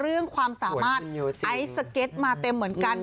เรื่องความสามารถไอซ์สเก็ตมาเต็มเหมือนกัน